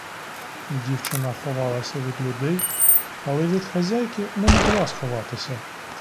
Дівчина ховалася від людей, але від хазяйки не могла сховатися.